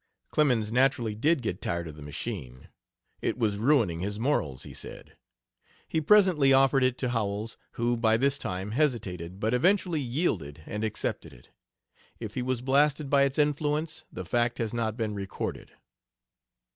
Clemens naturally did get tired of the machine; it was ruining his morals, he said. He presently offered it to Howells, who by this time hesitated, but eventually yielded and accepted it. If he was blasted by its influence the fact has not been recorded.